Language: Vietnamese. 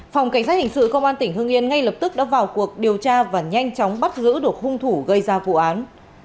phòng cảnh sát hình sự công an tỉnh hương yên ngay lập tức đã vào cuộc điều tra và nhanh chóng bắt giữ được hung thủ gây ra vụ án